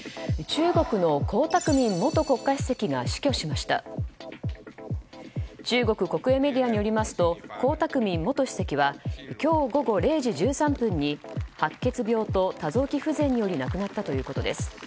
中国国営メディアによりますと江沢民元主席は今日午後０時１３分に白血病と多臓器不全により亡くなったということです。